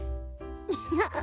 フフフフ